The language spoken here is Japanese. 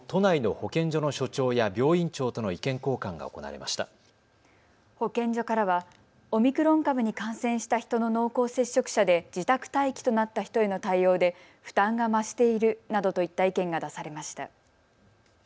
保健所からはオミクロン株に感染した人の濃厚接触者で自宅待機となった人への対応で負担が増しているなどといった意見が出されました。